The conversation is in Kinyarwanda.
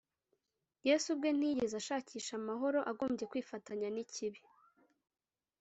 yesu ubwe ntiyigeze ashakisha amahoro agombye kwifatanya n’ikibi